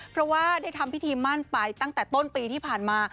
เพราะว่าได้ทำพิธีมั่นไปตั้งแต่ต้นปีที่ผ่านมา